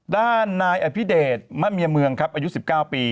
ด้านนายอภิเดชมะเมียเมืองครับอายุ๑๙ปี